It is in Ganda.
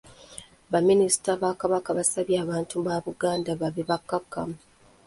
Ba minisita ba Kabaka basabye abantu ba Buganda babe bakkakkamu.